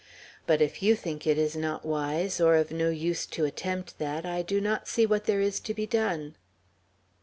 But if you think it is not wise, or of no use to attempt that, I do not see what there is to be done."